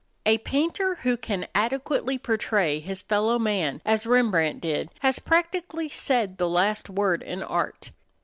A painter who can adequately portray his fellow man, as Rembrandt did, has practically said the last word in art.